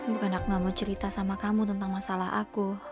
bukan aku gak mau cerita sama kamu tentang masalah aku